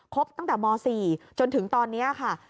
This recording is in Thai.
บตั้งแต่ม๔จนถึงตอนนี้ค่ะ